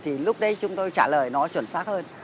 thì lúc đấy chúng tôi trả lời nó chuẩn xác hơn